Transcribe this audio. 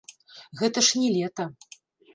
Гэта ж не лета!